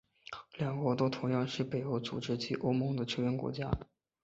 两国都同样是北约组织及欧盟的成员国家。